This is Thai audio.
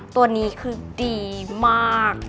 ตัวนี้คือดีมาก